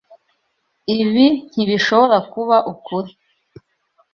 Ibi ntibishobora kuba ukuri.